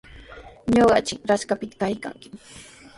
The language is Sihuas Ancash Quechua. Ñuqanchik Raqashpita kanchik.